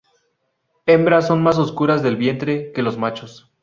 Hembras son más oscuras del vientre que los machos.